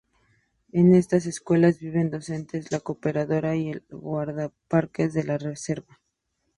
En estas escuelas viven docentes, la cooperadora, y el guardaparques de la reserva.